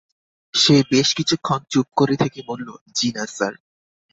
সে বেশ কিছুক্ষণ চুপ করে থেকে বলল, জ্বি-না স্যার।